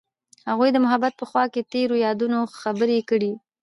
هغوی د محبت په خوا کې تیرو یادونو خبرې کړې.